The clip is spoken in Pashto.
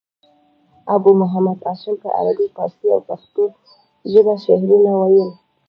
ابو محمد هاشم په عربي، پاړسي او پښتو ژبه شعرونه ویل.